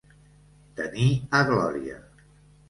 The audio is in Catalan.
Tenir a glòria.